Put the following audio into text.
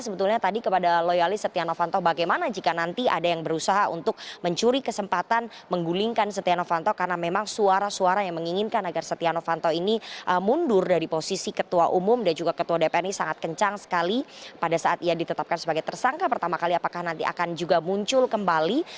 sebetulnya tadi kepada loyalis setia novanto bagaimana jika nanti ada yang berusaha untuk mencuri kesempatan menggulingkan setia novanto karena memang suara suara yang menginginkan agar setia novanto ini mundur dari posisi ketua umum dan juga ketua dpr ini sangat kencang sekali pada saat ia ditetapkan sebagai tersangka pertama kali apakah nanti akan juga muncul kembali